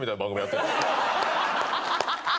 ハハハハハ！